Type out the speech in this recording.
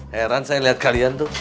heran saya lihat kalian tuh